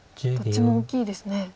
どっちも大きいですね。